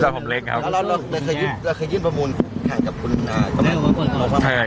เพราะเราแล้วตลอดแล้วเราได้มากมายต่อแล้ว